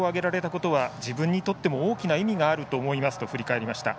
ことは自分にとっても大きな意味があると思いますと振り返りました。